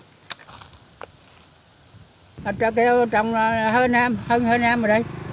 hơn năm hơn năm rồi đấy